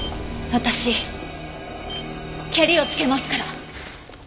私ケリをつけますから。